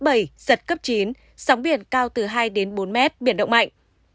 giật cấp chín sóng biển cao từ hai đến bốn mét biển động mạnh